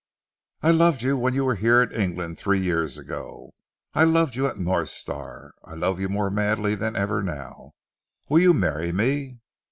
I loved you when you were here in England three years ago. I loved you at North Star. I love you more madly than ever, now. Will you marry me?"